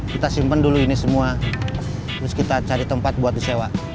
kita simpan dulu ini semua terus kita cari tempat buat disewa